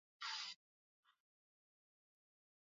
aliandika kwenye mtandao siku ya Alhamisi